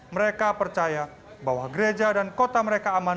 mereka percaya bahwa gereja dan kota mereka aman